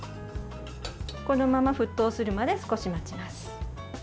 このまま沸騰するまで少し待ちます。